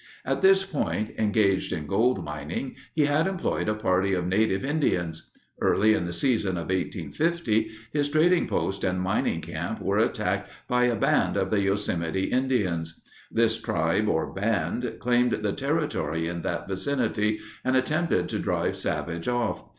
At this point, engaged in gold mining, he had employed a party of native Indians. Early in the season of 1850 his trading post and mining camp were attacked by a band of the Yosemite Indians. This tribe, or band, claimed the territory in that vicinity, and attempted to drive Savage off.